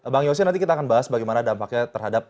bang yose nanti kita akan bahas bagaimana dampaknya terhadap